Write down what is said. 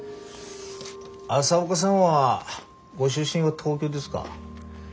朝岡さんはご出身は東京ですか？